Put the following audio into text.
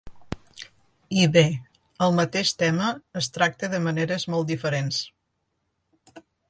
I bé, el mateix tema es tracta de maneres molt diferents.